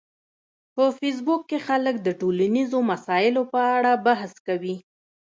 په فېسبوک کې خلک د ټولنیزو مسایلو په اړه بحث کوي